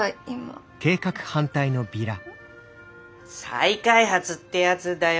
再開発ってやつだよ。